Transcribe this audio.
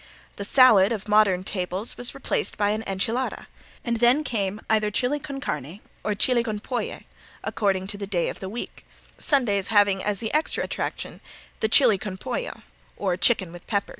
The salad of modern tables was replaced by an enchilada, and then came either chili con carne or chili con polle according to the day of the week, Sundays having as the extra attraction the chili con pollo, or chicken with pepper.